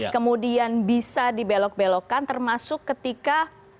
kemudian bisa dibelok belokkan termasuk ketika